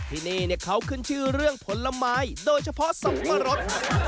ที่นี่เขาขึ้นชื่อเรื่องผลไม้โดยเฉพาะสับปะรด